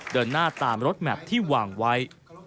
เดินหน้าตามรถแมพที่วางไว้